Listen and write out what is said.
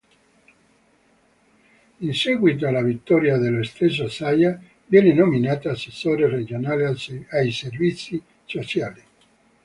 In seguito alla vittoria dello stesso Zaia viene nominata assessore regionale ai servizi sociali.